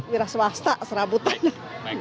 wira swasta serabutan